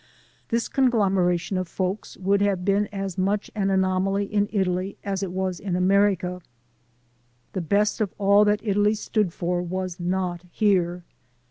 This conglomeration of folks would have been as much an anomaly in Italy as it was in America. The best of all that Italy stood for was not here.